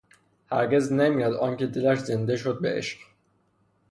هرگز نمیرد آنکه دلش زنده شد به عشق